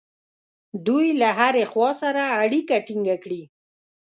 دوی له هرې خوا سره اړیکه ټینګه کړي.